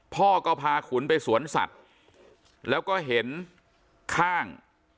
พ่อก็พาขุนไปสวนสัตว์แล้วก็เห็นข้าง